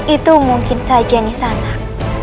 itu mungkin saja nisa anak